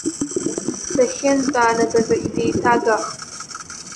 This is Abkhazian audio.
Дахьынтәаанагаз ахь деиҭагахып.